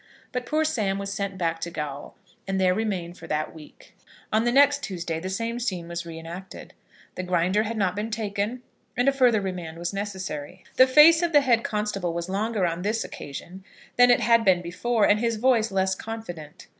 But poor Sam was sent back to gaol, and there remained for that week. On the next Tuesday the same scene was re enacted. The Grinder had not been taken, and a further remand was necessary. The face of the head constable was longer on this occasion than it had been before, and his voice less confident.